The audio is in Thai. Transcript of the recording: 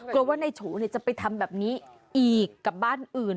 กลัวว่านายโฉจะไปทำแบบนี้อีกกับบ้านอื่น